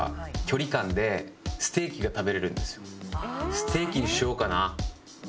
ステーキにしようかな。